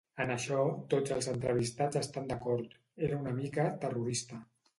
En això tots els entrevistats estan d’acord: era una mica ‘terrorista’.